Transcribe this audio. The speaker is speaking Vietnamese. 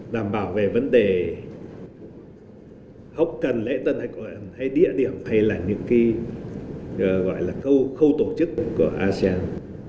đảm bảo về vấn đề hốc cần lễ tân hay địa điểm hay là những cái gọi là khâu khâu tổ chức của asean